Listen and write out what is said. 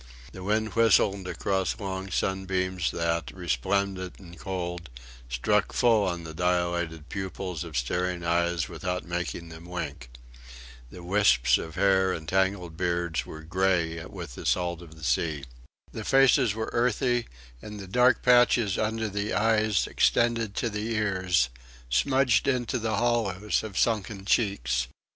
The wind whistled across long sunbeams that, resplendent and cold, struck full on the dilated pupils of staring eyes without making them wink. The wisps of hair and the tangled beards were grey with the salt of the sea. The faces were earthy, and the dark patches under the eyes extended to the ears, smudged into the hollows of sunken cheeks.